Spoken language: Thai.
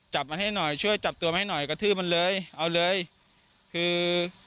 จับมันให้หน่อยช่วยจับตัวมาให้หน่อยกระทืบมันเลยเอาเลยคือ